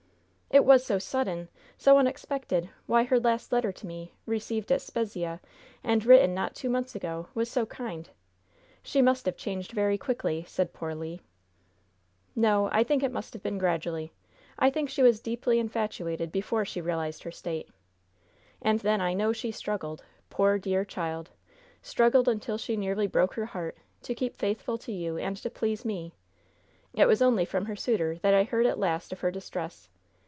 "It was so sudden, so unexpected! Why, her last letter to me, received at Spezzia, and written not two months ago, was so kind! She must have changed very quickly," said poor Le. "No, I think it must have been gradually. I think she was deeply infatuated before she realized her state. And then I know she struggled, poor, dear child! struggled until she nearly broke her heart to keep faithful to you and to please me. It was only from her suitor that I heard at last of her distress.